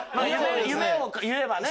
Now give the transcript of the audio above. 夢を言えばね。